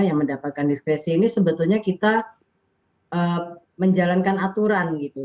yang mendapatkan diskresi ini sebetulnya kita menjalankan aturan gitu